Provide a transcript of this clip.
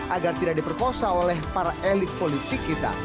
agar tidak diperkosa oleh para elit politik kita